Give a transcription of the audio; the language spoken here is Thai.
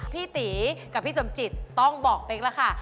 พี่ตีกับพี่สมจิตต้องบอกเป๊กแล้วค่ะ